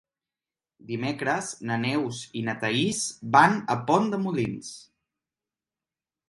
Dimecres na Neus i na Thaís van a Pont de Molins.